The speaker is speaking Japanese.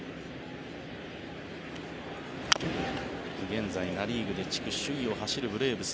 現在、ナ・リーグで地区首位を走るブレーブス。